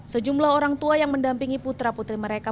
sejumlah orang tua yang mendampingi putra putri mereka